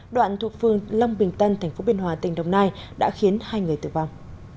đoạn thuộc phương long bình tân tp bh tỉnh đồng nai đã khiến hai người tử vong